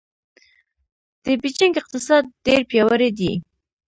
د بېجینګ اقتصاد ډېر پیاوړی دی.